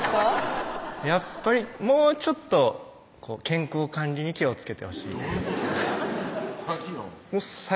やっぱりもうちょっと健康管理に気をつけてほしいどういうこと？何よ？